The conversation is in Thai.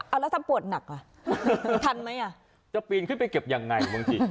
เอาแล้วทำปวดหนักอ่ะทันไหมอ่ะจะปีนขึ้นไปเก็บยังไงบางที